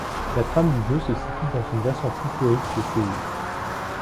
La trame du jeu se situe dans une version futuriste de Séoul.